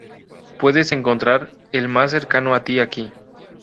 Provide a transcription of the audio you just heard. Puedes encontrar el más cercano a ti aquí.